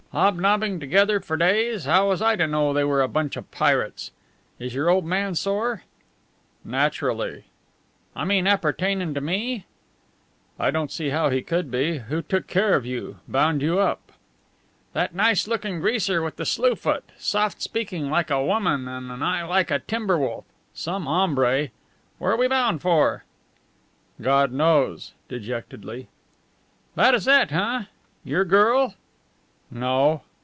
Hobnobbing together for days, how was I to know they were a bunch of pirates? Is your old man sore?" "Naturally." "I mean appertainin' to me?" "I don't see how he could be. Who took care of you bound you up?" "That nice lookin' greaser with the slue foot. Soft speakin' like a woman and an eye like a timber wolf. Some hombre! Where we bound for?" "God knows!" dejectedly. "Bad as that, huh? Your girl?" "No."